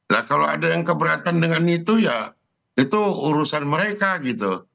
nah kalau ada yang keberatan dengan itu ya itu urusan mereka gitu